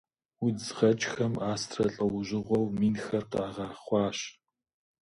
Удз гъэкӏхэм астрэ лӏэужьыгъуэу минхэр къагъэхъуащ.